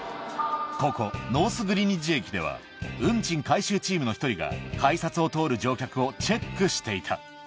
ここ、ノース・グリニッジ駅では、運賃回収チームの一人が改札を通る乗客をチェックしていた。